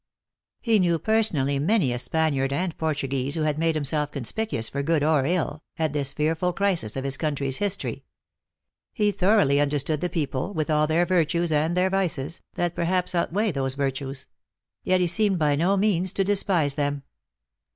He knew personally many a Spaniard and Portuguese who had made himself conspicuous for good or ill, at this fearful crisis of his country s history. He thor oughly understood the people, with all their virtues and their vices, that perhaps outweigh those virtues ; yet he seemed by no means to despise them.